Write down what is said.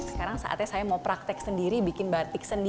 sekarang saatnya saya mau praktek sendiri bikin batik sendiri